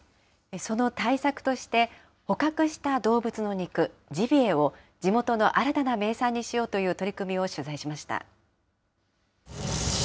その対策として、捕獲した動物の肉、ジビエを、地元の新たな名産にしようという取り組みを取材しました。